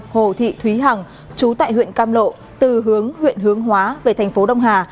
hồ thị thúy hằng chú tại huyện cam lộ từ hướng huyện hướng hóa về thành phố đông hà